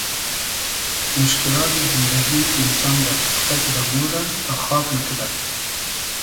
موشکیلات زیندئگی اینسان رۂ پوختۂ کیدۂ مۉرۂ تا خاگ نئکئدۂ